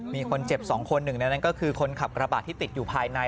มีคนเจ็บ๒คนหนึ่งในนั้นก็คือคนขับกระบาดที่ติดอยู่ภายใน